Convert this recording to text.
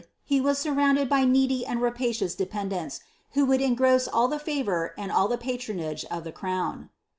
He was surrounded by needy and rapacious ilependents, who wouk engross all the favour, and all the patronage of ihe crown.